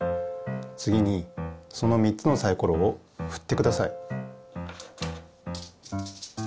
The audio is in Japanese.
つぎにその３つのサイコロをふってください。